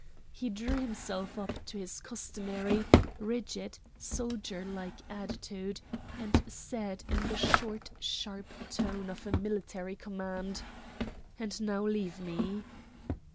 He drew himself up to his customary, rigid, soldier like attitude, and said in the short, sharp tone of a military command: "And now leave me."